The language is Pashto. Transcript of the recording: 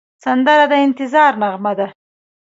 سندره د انتظار نغمه ده